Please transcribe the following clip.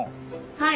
はい。